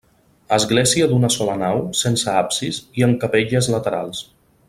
Església d'una sola nau sense absis i amb capelles laterals.